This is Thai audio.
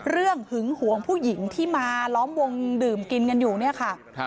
หึงหวงผู้หญิงที่มาล้อมวงดื่มกินกันอยู่เนี่ยค่ะ